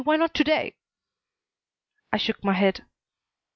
Why not to day?" I shook my head.